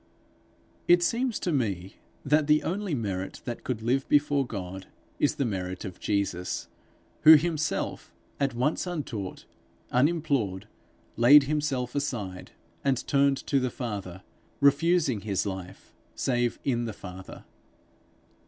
It seems to me that the only merit that could live before God, is the merit of Jesus who of himself, at once, untaught, unimplored, laid himself aside, and turned to the Father, refusing his life save in the Father.